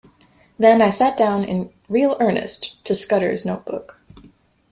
Then I sat down in real earnest to Scudder’s note-book.